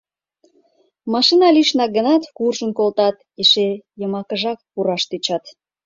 Машина лишнак гынат, куржын колтат, эше йымакыжак пураш тӧчат.